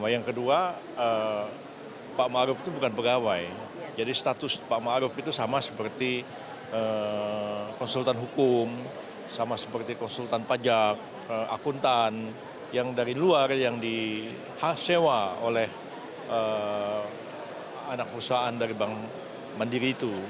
yang kedua pak maruf itu bukan pegawai jadi status pak maruf itu sama seperti konsultan hukum sama seperti konsultan pajak akuntan yang dari luar yang dihasilkan oleh anak perusahaan dari bank mandiri itu